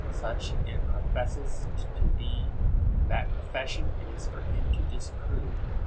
Such it professes to be, and that profession it is for him to disprove.